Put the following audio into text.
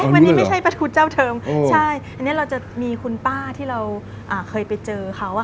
มันนี่ไม่ใช่ปลาทูเจ้าเทิมใช่อันนี้เราจะมีคุณป้าที่เราเคยไปเจอเขาอะค่ะ